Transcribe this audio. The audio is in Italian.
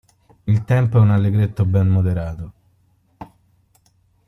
Il tempo è un Allegretto ben moderato.